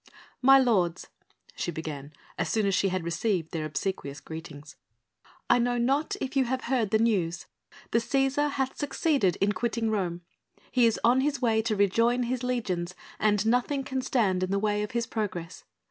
"My lords," she began as soon as she had received their obsequious greetings, "I know not if you have heard the news. The Cæsar hath succeeded in quitting Rome; he is on his way to rejoin his legions and nothing can stand in the way of his progress.